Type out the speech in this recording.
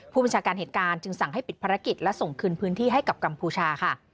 ผู้บัญชาการเหตุการณ์จึงสั่งให้ปิดภารกิจและส่งคืนพื้นที่ให้กับกัมพูชาค่ะ